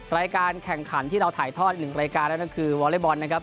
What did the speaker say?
รายการแข่งขันที่เราถ่ายทอดอีกหนึ่งรายการนั่นก็คือวอเล็กบอลนะครับ